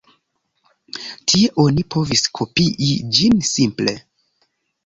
Tie oni povis kopii ĝin simple.